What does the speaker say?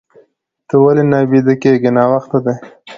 ته ولې نه بيده کيږې؟ ناوخته دي.